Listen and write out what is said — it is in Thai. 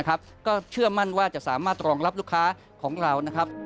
ก็เชื่อมั่นว่าจะสามารถรองรับลูกค้าของเรานะครับ